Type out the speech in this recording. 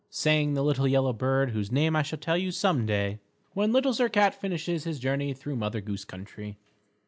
_ Sang the little yellow bird whose name I shall tell you some day when Little Sir Cat finishes his journey through Mother Goose Country.